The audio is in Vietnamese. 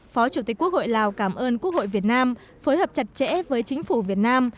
phó chủ tịch quốc hội lào cảm ơn quốc hội việt nam phối hợp chặt chẽ với chính phủ việt nam